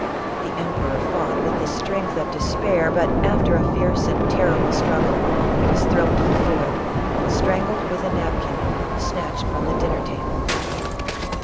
The emperor fought with the strength of despair, but after a fierce and terrible strug gle he was thrown to the floor and strangled with a napkin, snatched from the dinner table.